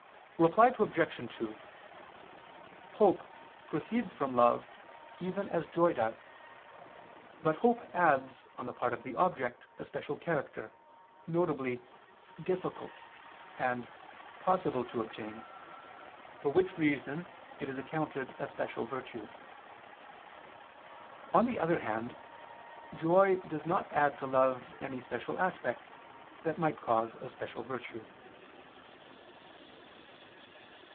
Reply Obj. 2: Hope proceeds from love even as joy does, but hope adds, on the part of the object, a special character, viz. difficult, and possible to obtain; for which reason it is accounted a special virtue. On the other hand joy does not add to love any special aspect, that might cause a special virtue.